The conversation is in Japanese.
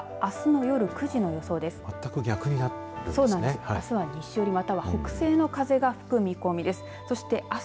あすは西寄り、または北西寄りの風が吹く見込みです。